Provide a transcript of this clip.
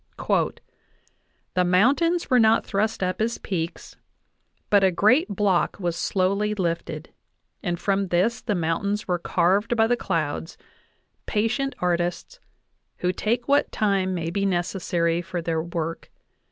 "The mountains were not thrust up as peaks, but a great block was slowly lifted, and from this the mountains were carved by the clouds patient artists, who take what time may be necessary for their work.